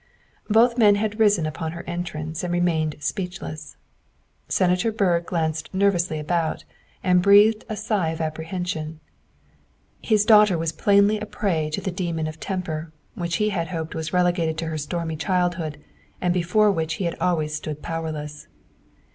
Both men had risen upon her entrance and remained speechless. Senator Byrd glanced nervously about and breathed' a sigh of apprehension. His daughter was plainly a prey to the demon of temper which he had hoped was relegated to her stormy childhood and before which he had always stood powerless.